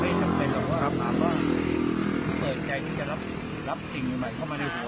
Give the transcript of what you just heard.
เพราะว่าเวลาครอบครองตอนที่ผมทำงานอยู่ก็ติดต่อด้านนอกอยู่